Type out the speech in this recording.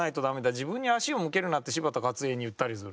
自分に足を向けるなって柴田勝家に言ったりする。